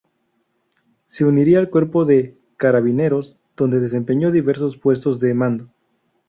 Se uniría al Cuerpo de Carabineros, donde desempeñó diversos puestos de mando.